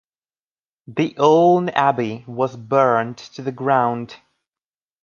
The Aulne Abbey was burned to the ground.